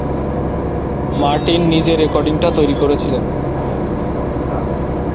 Martin নিজে রেকর্ডিংটা তৈরি করেছিলেন।